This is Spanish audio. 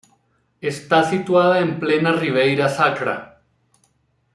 Está situada en plena Ribeira Sacra.